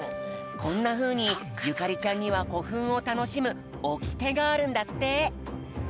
こんなふうにゆかりちゃんにはこふんをたのしむオキテがあるんだって。